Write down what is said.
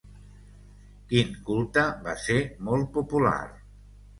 Quin culte va ser molt popular?